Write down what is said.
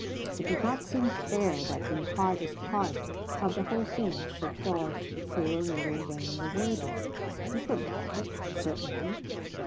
It did not seem fair that the hardest part of the whole thing should fall to poor little Wayne the Worthy. He couldn't help it, certainly.